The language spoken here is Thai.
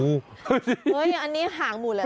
เฮ้ยอันนี้ห่างหมดเลย